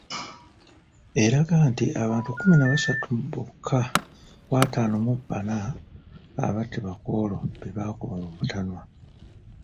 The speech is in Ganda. Eraga nti abantu kkumi na basatu bokka ku ataano mu bana abattibwa ku olwo be baakuba mu butanwa.